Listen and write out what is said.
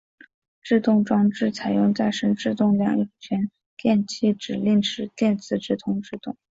制动装置采用再生制动两用全电气指令式电磁直通制动。